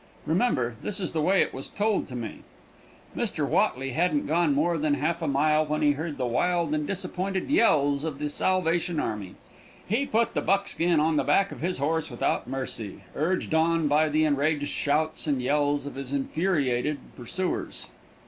Remember, this is the way it was told to me. Mr. Whatley hadn't gone more than half a mile when he heard the wild and disappointed yells of the Salvation army. He put the buckskin on the back of his horse without mercy, urged on by the enraged shouts and yells of his infuriated pursuers.